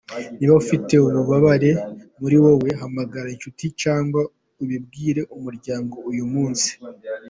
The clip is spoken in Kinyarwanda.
Niba ufite ububabare muri wowe, hamagara inshuti cyangwa ubibwire umuryango uyu munsi.